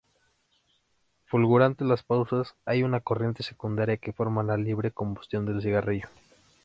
Fulgurantes las pausas hay una corriente secundaria que forma la libre combustión del cigarrillo.